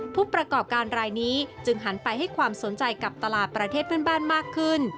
ผู้ประกอบการรายนี้จึงหันไปให้ความสนใจกับตลาดประเทศเพื่อนบ้านมากขึ้น